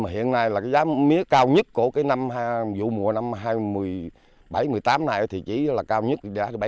hiện nay giá mía cao nhất của vụ mùa năm hai nghìn một mươi bảy hai nghìn một mươi tám này chỉ là cao nhất bảy trăm linh